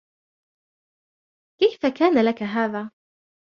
كيف كان لك هذا؟